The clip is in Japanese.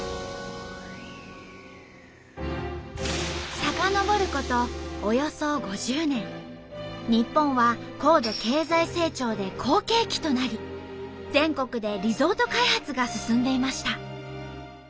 遡ること日本は高度経済成長で好景気となり全国でリゾート開発が進んでいました。